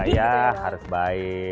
ya harus baik